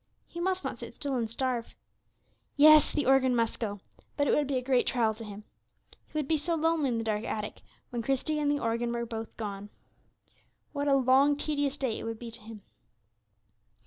He must not sit still and starve. Yes, the organ must go; but it would be a great trial to him. He would be so lonely in the dark attic when Christie and the organ were both gone. What a long, tedious day it would be to him!